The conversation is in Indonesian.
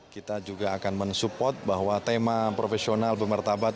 kita juga akan mensupport bahwa tema profesional bermertabat